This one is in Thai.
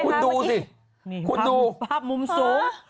คุณดูสิคุณดูภาพมุมสูง